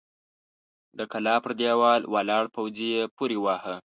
د کلا پر دېوال ولاړ پوځي يې پورې واهه!